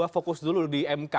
fokus dulu di mk